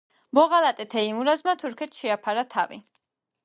მოღალატე თეიმურაზმა თურქეთს შეაფარა თავი.